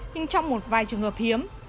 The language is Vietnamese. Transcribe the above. nhưng trong một vài trường hợp hiếm